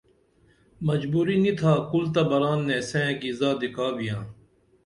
مجبوری نی تھا کُل تہ بران نیسئیں کی زادی کا بیاں